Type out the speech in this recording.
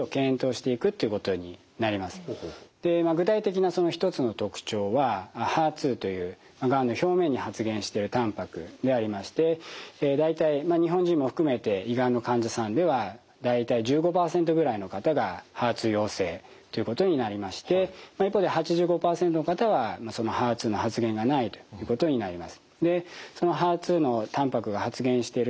具体的な一つの特徴はＨＥＲ２というがんの表面に発現してるたんぱくでありまして大体日本人も含めて胃がんの患者さんでは大体１５％ぐらいの方がＨＥＲ２陽性ということになりまして一方で８５％の方はそのＨＥＲ２の発現がないということになります。